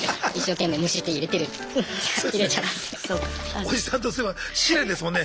おじさんとすれば試練ですもんね。